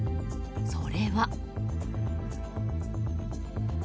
それは。